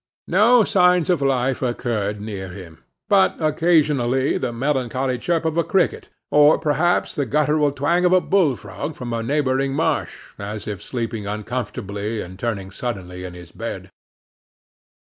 No signs of life occurred near him, but occasionally the melancholy chirp of a cricket, or perhaps the guttural twang of a bullfrog from a neighboring marsh, as if sleeping uncomfortably and turning suddenly in his bed.